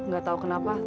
gak tau kenapa